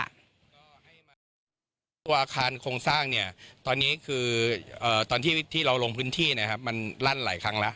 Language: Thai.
อาคารโครงสร้างตอนที่เราลงพื้นที่มันรั่นหลายครั้งแล้ว